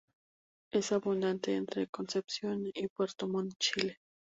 Es abundante entre Concepción y Puerto Montt, Chile.